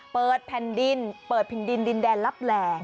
เปิดแผ่นดินเปิดแผ่นดินดินแดนลับแหล่